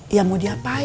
iya mau diapain